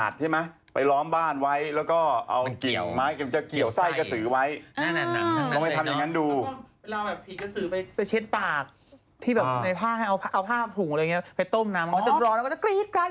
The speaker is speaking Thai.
ชอบเลือดเข้าไปดำมันล้างตู้เย็นชอบไปกินอื๋อ